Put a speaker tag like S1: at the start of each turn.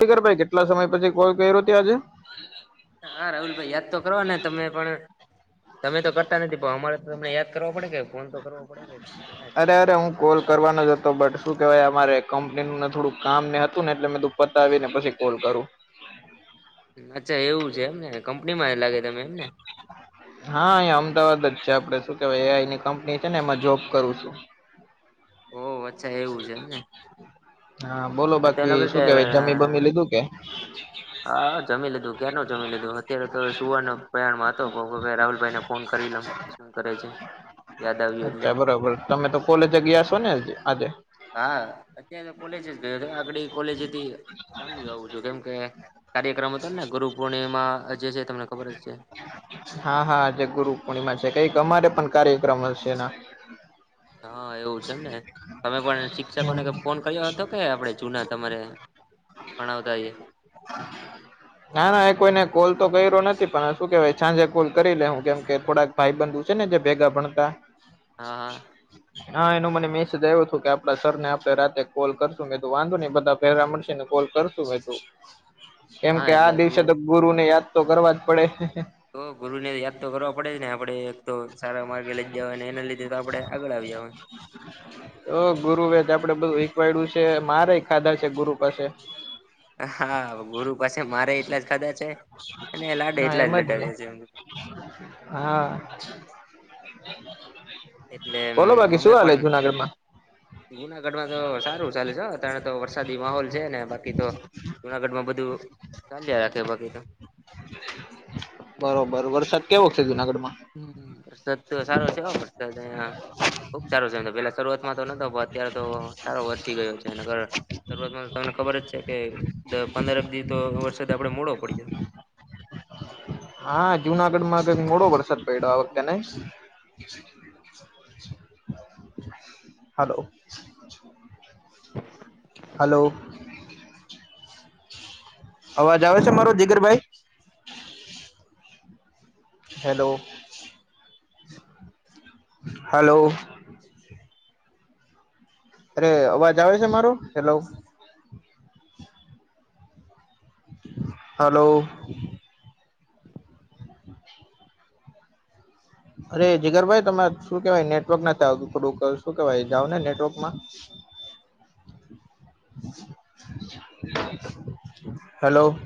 S1: પીગર ભાઈ કેટલા સમય પછી કોલ કર્યો તે આજે.
S2: હા રાહુલ ભાઈ યાદ તો કરવાના તમે પણ તમે તો કરતા નથી પણ અમારે તો તમને યાદ કરવા પડે કે ફોન તો કરવો પડે કે ક્યાં છે
S1: અરે
S2: એમ
S1: અરે હું
S2: હાલ
S1: કોલ
S2: ચાલ તો
S1: કરવાનો
S2: પૂછવા
S1: જ હતો
S2: પડે
S1: બટ શું કેવાય અમારે કંપનીનું થોડુંક કામ ને હતું ને એટલે મે કીધું પતાવી ને પછી કોલ કરું.
S2: અચ્છા એવું છે એમને કંપનીમાં ઈ લાગે તમે એમને.
S1: હા અઇયા અમદાવાદ જ છે આપડે શું કેવાય એ આઈ ની કંપની છે ને એમાં જોબ કરું છું.
S2: ઓહ અચ્છા એવું છે એમને.
S1: હા બોલો
S2: મને તો લાગે
S1: બાકી
S2: કે
S1: શું કેવાય જમી બમી લીધું કે?
S2: હા જમી લીધું ક્યારનું જમી લીધું અત્યારે તો સુવાનો પ્રયાણમાં હતો [unintelligible] રાહુલભાઈને ફોન કરી લવ શું કરે છે. યાદ આવ્યું એટલે
S1: અચ્છા બરાબર તમે તો કોલેજ ગયા અસો ને આજે?
S2: હા અત્યારે કોલેજ જ ગયો હતો આંગડી કોલેજથી ચાલ્યું આવું છું કેમ કે કાર્યક્રમ હતો ને ગુરુ પૂર્ણિમામા જે છે તમને ખબર જ છે.
S1: હા હા આજે ગુરુ પૂર્ણિમા છે કઈક અમારે પણ કાર્યક્રમ અસે એના.
S2: હા એવું છે એમ ને. તમે પણ શિક્ષકોને કે ફોન કર્યો હતો કે આપણે જુના તમારે ભણાવતા એ
S1: ના ના એ કોઈને કોલ તો કર્યો નથી પણ શું કેહેવાય સાંજે કોલ કરી લે હું કેમ કે થોડાક ભાઈ બંધુ છે ને જે ભેગા ભણતા
S2: હા.
S1: હા એનું મને મેસેજ આવ્યો હતું કે આપડા સર ને આપડે રાતે કોલ કરશું મેં તો વાંધો નય બધા ભેગા મળશે ને કોલ કર શું હતું કેમ
S2: હા
S1: કે
S2: એટલે
S1: આ દિવસે તો ગુરુને યાદ તો કરવા જ પડે.
S2: તો ગુરુ ને યાદ તો કરવા પડે જ ને આપડે એક તો સારા માર્ગે લઈજ જવા ને એના લીધે તો આપડે અગળ આવી જવાય
S1: તો ગુરુ એ જે આપડે બધું હિકવાડ્યું છે મારે ખાધા છે ગુરુ પાસે.
S2: હા ગુરુ પાસે મારે એટલા જ ખાધા છે અને લાડે
S1: હા
S2: એટલા
S1: એમ
S2: જ
S1: ને
S2: લડાવ્યા છે.
S1: હા.
S2: એટલે
S1: બોલો બાકી
S2: અમે
S1: શું હાલે
S2: પણ
S1: જુનાગઢમાં
S2: જુનાગઢમાં તો સારું ચાલેચ હો અત્યારે તો વરસાદી માહોલ છે ને બાકી તો જુનાગઢ માં બધું ચાલ્યા રાખે બાકી તો
S1: બરોબર વરસાદ કેવોક છે જુનાગઢ માં?
S2: હમ્મ, વરસાદ તો સારો છે હો વરસાદ અહીંયા ખુબ સારો [unintelligible] પેલા શરૂઆતમાં તો નતો પણ અત્યારે તો સારો વરસી ગયો છે નકર શરૂઆતમાં તો તમને ખબર જ છે કે દહ પંદર એક દિ તો વરસાદ આપડે મોડો પડ્યો.
S1: હા જુનાગઢ માં કાંઈક મોડો વરસાદ પડ્યો આ વખતે નય. હાલો. હલો અવાજ આવે છે મારો જીગરભાઈ હેલો, હલો અરે અવાજ આવે છે મારો હેલો હલો અરે જીગરભાઈ તમે શું કેવાય નેટવર્ક નથી આવતું, થોડું શું કેવાય જાવ ને નેટવર્કમાં
S2: [inaudible]
S1: હલો